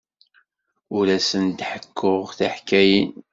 Ur asen-d-ḥekkuɣ tiḥkayin.